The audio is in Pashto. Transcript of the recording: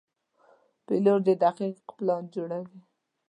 پیلوټ دقیق پلان جوړوي.